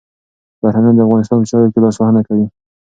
بهرنیان د افغانستان په چارو کي لاسوهنه کوي.